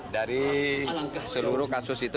dari seluruh kasus itu